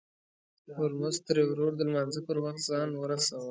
هورموز تري ورور د لمانځه پر وخت ځان ورساوه.